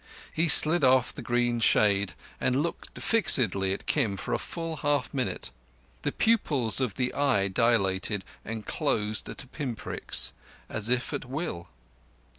He slid off the green shade and looked fixedly at Kim for a full half minute. The pupils of the eye dilated and closed to pin pricks, as if at will.